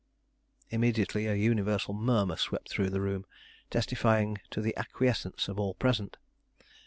Immediately a universal murmur swept through the room, testifying to the acquiescence of all present.